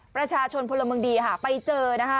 ประชาชนพลมเมืองดีไปเจอ